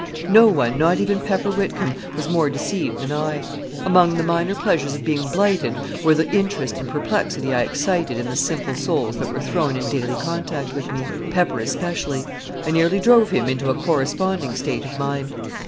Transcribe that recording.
No one, not even Pepper Whitcomb, was more deceived than I. Among the minor pleasures of being blighted were the interest and perplexity I excited in the simple souls that were thrown in daily contact with me. Pepper especially. I nearly drove him into a corresponding state of mind.